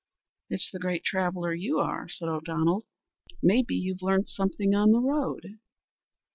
"It's the great traveller you are," said O'Donnell. "May be you've learnt something on the road."